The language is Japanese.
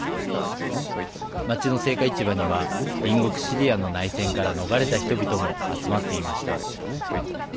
町の青果市場には隣国シリアの内戦から逃れた人々も集まっていました。